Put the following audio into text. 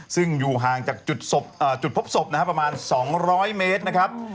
ซึ่งอยู่ห่างจากจุดพบศพนะครับประมาณ๒๐๐เมตรนะครับ